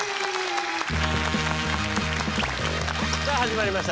さあ始まりました